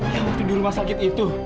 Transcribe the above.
yang waktu di rumah sakit itu